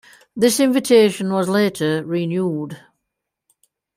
This invitation was later renewed.